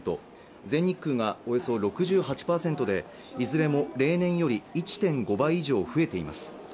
全日空がおよそ６８％でいずれも例年より１．５倍以上増えています